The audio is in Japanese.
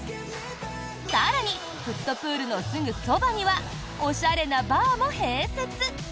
更にフットプールのすぐそばにはおしゃれなバーも併設。